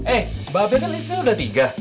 eh babe kan istrinya udah tiga